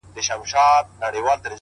زه درته څه ووايم;